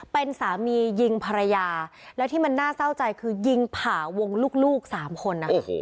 เป็นสามียิงภรรยาแล้วที่มันน่าเศร้าใจคือยิงผ่าวงลูก๓คน